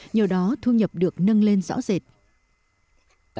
nhờ đó thu nhập được nâng lên rõ rệt